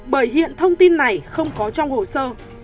bởi hiện thông tin này không có trong hồ sơ